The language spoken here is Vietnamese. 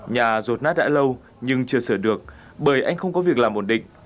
nhà rột nát đã lâu nhưng chưa sửa được bởi anh không có việc làm ổn định